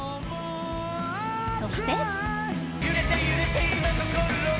そして。